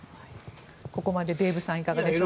ここまでデーブさんいかがですか？